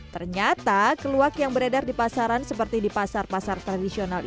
ternyata keluak yang beredar di pasaran seperti di pasar pasar tradisional ini